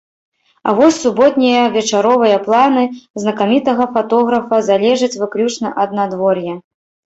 А вось суботнія вечаровыя планы знакамітага фатографа залежаць выключна ад надвор'я.